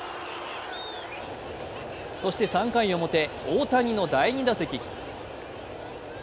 そして３回表、大谷の第２打席。